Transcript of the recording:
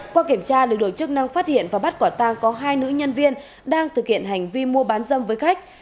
qua kiểm tra lực lượng chức năng phát hiện và bắt quả tang có hai nữ nhân viên đang thực hiện hành vi mua bán dâm với khách